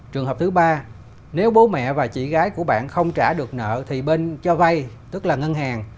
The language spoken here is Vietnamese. trường hợp thứ ba nếu bố mẹ và chị gái của bạn không trả được nợ thì bên cho vay tức là ngân hàng